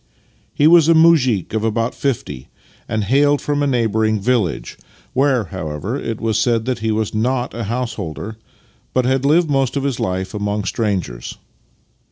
He was a muzhik of about fifty, and hailed from a neighbouring village — where, however, it was said that he was not a householder, but had lived most of his life among strangers.